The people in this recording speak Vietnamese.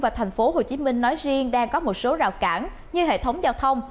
và thành phố hồ chí minh nói riêng đang có một số rào cản như hệ thống giao thông